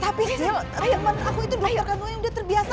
tapi sintia teman aku itu dokter kandungan yang dia terbiasa